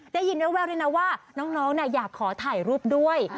ได้ยินแววด้วยนะว่าน้องอยากขอถ่ายรูปด้วย